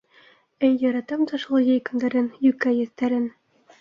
- Эй яратам да шул йәй көндәрен, йүкә еҫтәрен!